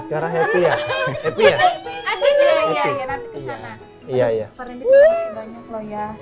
pak randy terima kasih banyak loh ya